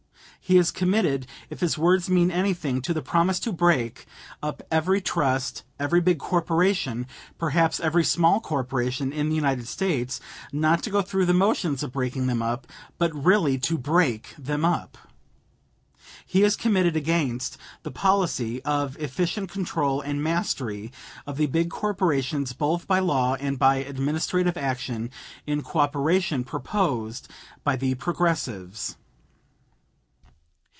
He is committed, if his words mean anything, to the promise to break up every trust, every big corporation perhaps every small corporation in the United States not to go through the motions of breaking them up, but really to break them up. He is committed against the policy (of efficient control and mastery of the big corporations both by law and by administrative action in cooperation) proposed by the Progressives.